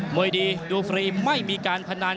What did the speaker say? วยดีดูฟรีไม่มีการพนัน